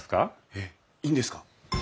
えっいいんですか？